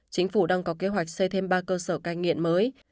chính phủ đang có kế hoạch xây thêm ba cơ sở cai nghiện mới